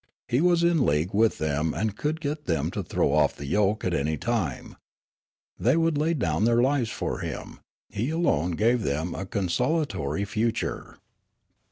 He was in league with them and could get them to throw off the j'oke at any time. They would lay down their lives for him ; he alone gave them a consolatory future.